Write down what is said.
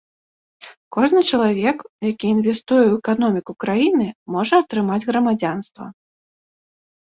Кожны чалавек, які інвестуе ў эканоміку краіны, можа атрымаць грамадзянства.